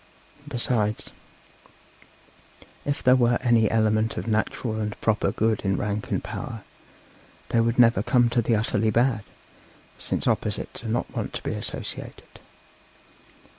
'Besides, if there were any element of natural and proper good in rank and power, they would never come to the utterly bad, since opposites are not wont to be associated.